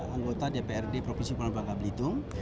anggota dprd provinsi pulau bangka belitung